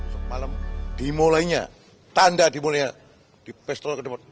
semalam dimulainya tanda dimulainya di pestrona kedepan